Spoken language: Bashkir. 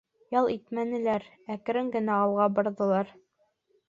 Ял итмәнеләр, әкрен генә алға барҙылар.